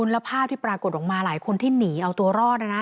แล้วภาพที่ปรากฏออกมาหลายคนที่หนีเอาตัวรอดนะนะ